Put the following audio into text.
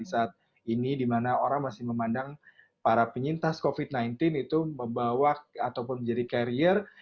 saat ini dimana orang masih memandang para penyintas covid sembilan belas itu membawa ataupun menjadi karier